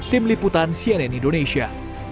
tim liputan cnn indonesia